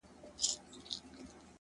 که ستا د غم حرارت ماته رسېدلی نه وای-